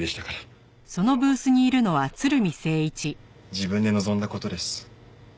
自分で望んだ事です。